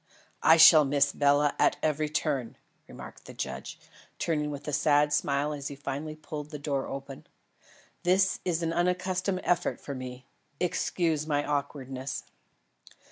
"I shall miss Bela at every turn," remarked the judge, turning with a sad smile as he finally pulled the door open. "This is an unaccustomed effort for me. Excuse my awkwardness."